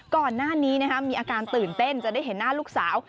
ก่อนหน้านี้มีอาการตื่นเต้นจะได้เห็นหน้าลูกสาว